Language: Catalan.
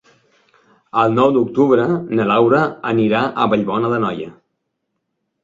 El nou d'octubre na Laura anirà a Vallbona d'Anoia.